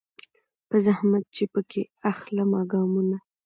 په زحمت چي پکښي اخلمه ګامونه